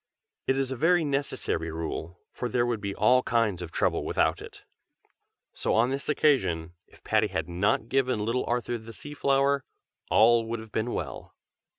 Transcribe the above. It is a very necessary rule, for there would be all kinds of trouble without it. So on this occasion, if Patty had not given little Arthur the sea flower, all would have been well.